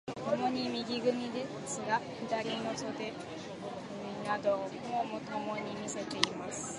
共に右組ですが、左の袖釣などをともに見せています。